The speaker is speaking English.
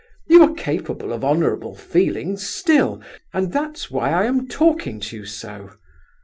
You are capable of honourable feelings still, and that's why I am talking to you so.